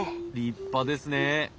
立派ですね！